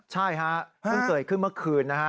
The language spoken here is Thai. ใช่พึ่งเกิดขึ้นเมื่อคืน